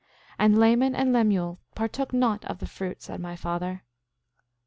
8:35 And Laman and Lemuel partook not of the fruit, said my father.